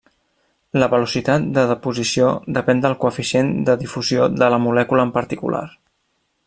La velocitat de deposició depèn del coeficient de difusió de la molècula en particular.